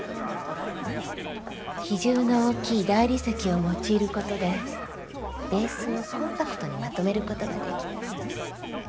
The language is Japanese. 比重の大きい大理石を用いることでベースをコンパクトにまとめることができた。